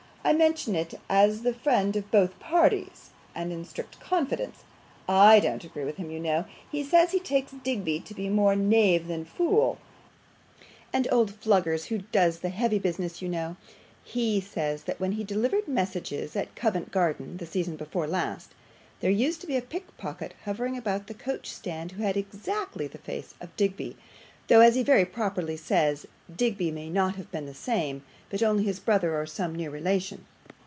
'I mention it as the friend of both parties, and in strict confidence. I don't agree with him, you know. He says he takes Digby to be more knave than fool; and old Fluggers, who does the heavy business you know, HE says that when he delivered messages at Covent Garden the season before last, there used to be a pickpocket hovering about the coach stand who had exactly the face of Digby; though, as he very properly says, Digby may not be the same, but only his brother, or some near relation.